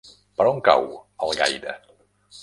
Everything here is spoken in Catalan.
Per on cau Algaida?